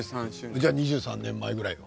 じゃあ２３年前ぐらいよ